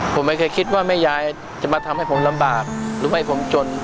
ผมไม่เคยคิดว่าแม่ยายจะมาทำให้ผมลำบากหรือไม่ผมจน